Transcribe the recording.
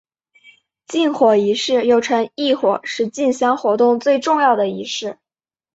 进火仪式又称刈火是进香活动最重要的仪式。